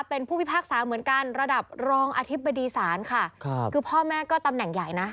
เป็นผู้วิภาคสะเหมือนกันระดับรองอธิบดีศานค่ะ